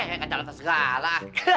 ya kacau atas segala